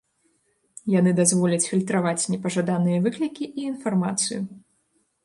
Яны дазволяць фільтраваць непажаданыя выклікі і інфармацыю.